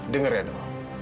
dengar ya do